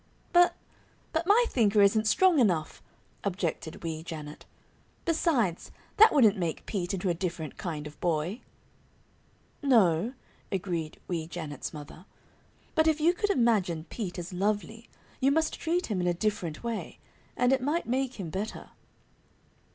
"But but my thinker isn't strong enough," objected Wee Janet. "Besides, that wouldn't make Pete into a different kind of a boy." "No," agreed Wee Janet's mother; "but if you could imagine Pete is lovely, you must treat him in a different way, and it might make him better."